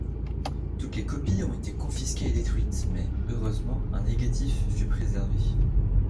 Toutes les copies ont été confisquées et détruites mais, heureusement, un négatif fut préservé.